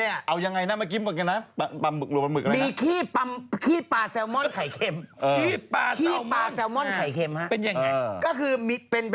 ก็เต็มเนี่ยค่ะเนี่ยหลังนี้ก็มีเนี่ยเนี่ยเนี่ย